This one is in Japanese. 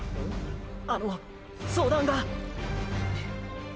あの相談が。